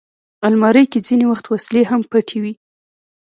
الماري کې ځینې وخت وسلې هم پټې وي